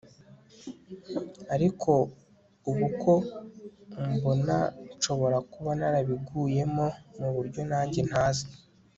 ariko ubuko umbona nshobora kuba narabiguyemo mu buryo nanjye ntazi